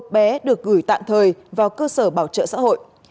bé được gửi tạm thời vào cơ sở bảo trợ xã hội